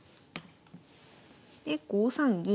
で５三銀。